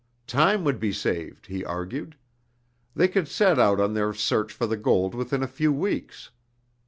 Time would be saved, he argued. They could set out on their search for the gold within a few weeks.